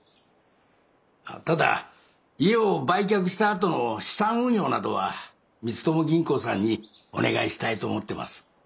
ただ家を売却したあとの資産運用などは光友銀行さんにお願いしたいと思ってます。